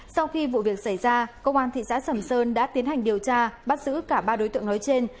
sau khi vụ việc xảy ra công an thị xã sầm sơn đã tiến hành điều tra bắt giữ cả ba đối tượng nói trên